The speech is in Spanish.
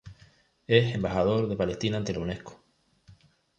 Es embajador de Palestina ante la Unesco.